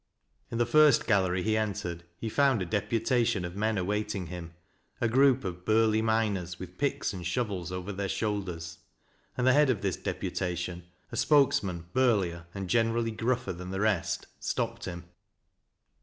'' In the'first gallery he entered he found a deputation ol men awaiting him, — a group of burly miners with pickf an i shovels over their shoulders, — and the head of this deputation, a spokesman burlier and generally gruffcf than the rest, stopped him.